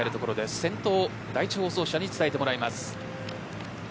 先頭、第１放送送車につないでもらいます。